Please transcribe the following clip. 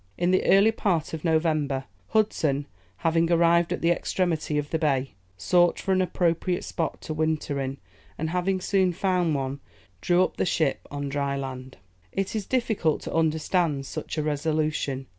In the early part of November, Hudson, having arrived at the extremity of the bay, sought for an appropriate spot to winter in, and having soon found one, drew up the ship on dry land. It is difficult to understand such a resolution.